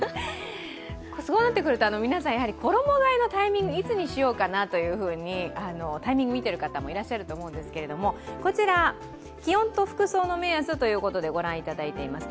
そうなってくると皆さん、衣がえのタイミングいつにしようかなというふうにタイミングを見てる方もいらっしゃると思うんですけど、こちら、気温と服装の目安ということでご覧いただいています。